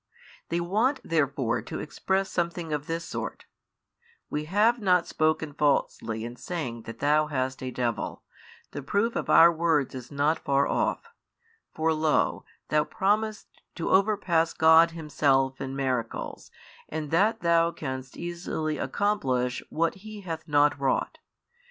They want therefore to express something of this sort, We have not spoken falsely in saying that Thou hast a devil, the proof of our words is not far off; for lo, Thou promisest to overpass God Himself in miracles and that Thou canst easily accomplish what He hath not wrought.